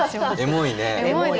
エモいね。